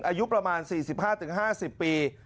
อายุประมาณ๔๕๕๐ปี